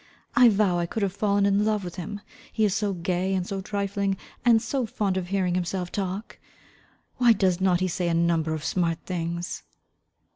I vow I could have fallen in love with him. He is so gay and so trifling, and so fond of hearing himself talk. Why, does not he say a number of smart things?"